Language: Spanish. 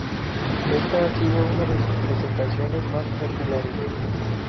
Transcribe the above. Esta ha sido una de sus presentaciones más populares.